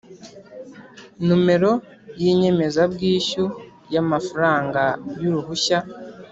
numero y’inyemezabwishyu y’ amafranga y’ uruhushya;